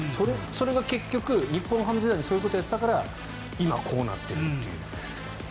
それが結局、日本ハム時代にそういうことをやっていたから今こうなっているという。